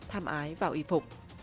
tham ái vào y phục